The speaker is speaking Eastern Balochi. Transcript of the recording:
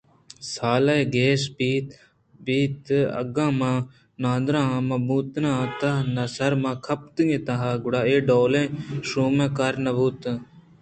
سالے ءَ گیش بیت اگاں من نادُرٛاہ مہ بوتیناں ءُتحت ءِ سر مہ کپتین اِتاں گڑا اے ڈولیں شومیں کار نہ بوتگ اَت